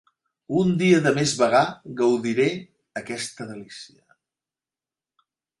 Un dia de més vagar gaudiré aquesta delícia